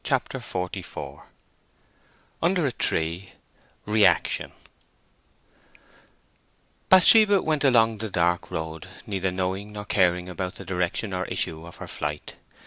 CHAPTER XLIV UNDER A TREE—REACTION Bathsheba went along the dark road, neither knowing nor caring about the direction or issue of her flight.